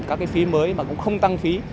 các cái phí mới mà cũng không tăng phí